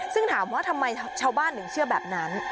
ซึ่งถามว่าทำไมชาวบ้านถึงเชื่อแบบนั้น